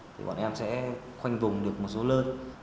thì bọn em sẽ khoanh vùng được một số lơn